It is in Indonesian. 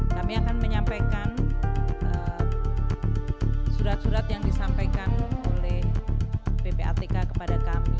kami akan menyampaikan surat surat yang disampaikan oleh ppatk kepada kami